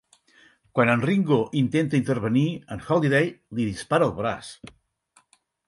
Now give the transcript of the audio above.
Quan en Ringo intenta intervenir, en Holliday li dispara al braç.